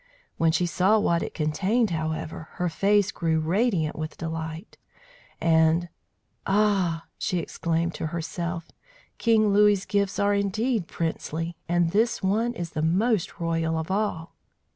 When she saw what it contained, however, her face grew radiant with delight, and "Ah!" she exclaimed to herself, "King Louis's gifts are indeed princely, and this one is the most royal of all!"